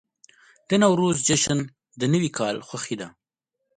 د نوروز جشن د نوي کال خوښي ده.